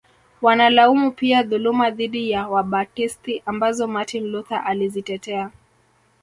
Wanalaumu pia dhuluma dhidi ya Wabatisti ambazo Martin Luther alizitetea